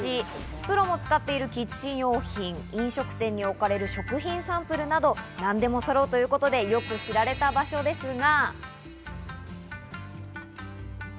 プロも使っているキッチン用品、飲食店に置かれる食品サンプルなど、何でもそろうということでよく知られた場所ですが。